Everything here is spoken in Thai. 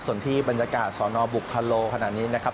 ส่วนที่บรรยากาศสอนอบุคโลขนาดนี้นะครับ